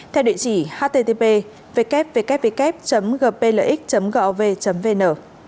theo địa chỉ http www gplx gov vn